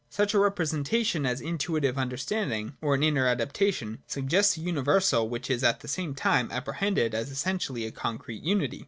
Such a representation, as an Intuitive Understanding, or an inner adaptation, suggests a universal which is at the same time apprehended as essentially a concrete unity.